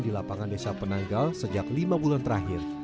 di lapangan desa penanggal sejak lima bulan terakhir